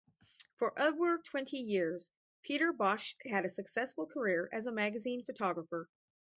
For over twenty years, Peter Basch's had a successful career as a magazine photographer.